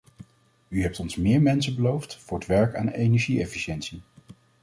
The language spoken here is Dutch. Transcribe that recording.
U hebt ons meer mensen beloofd voor het werk aan energie-efficiëntie.